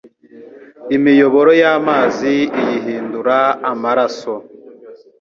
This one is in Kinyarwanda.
imiyoboro y’amazi iyihindura amaraso